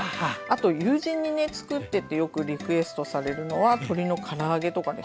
あと友人にね作ってってよくリクエストされるのは鶏のから揚げとかですねはい。